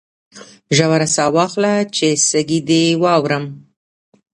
ژوره ساه واخله چې سږي دي واورم